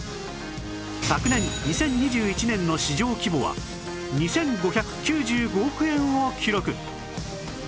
昨年２０２１年の市場規模は２５９５億円を記録